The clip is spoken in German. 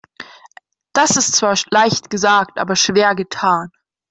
Das ist zwar leicht gesagt, aber schwer getan.